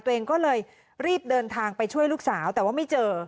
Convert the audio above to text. ตัวเองก็เลยรีบเดินทางไปช่วยลูกสาวแต่ว่าไม่เจอ